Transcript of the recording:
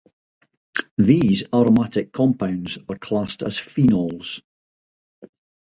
These aromatic compounds are classed as phenols.